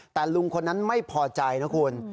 แต่ลุงคนนั้นไม่พอใจนะคุณ